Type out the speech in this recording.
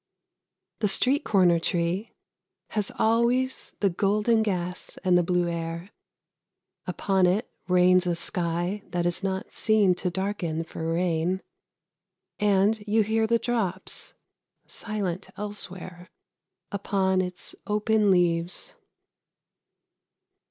] The street corner tree has always the golden gas and the blue air; upon it rains a sky that is not seen to darken for rain, and you hear the drops, silent elsewhere, upon its open leaves.